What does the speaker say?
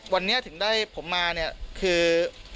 วันนี้ถึงได้ผมมาเนี่ยคือ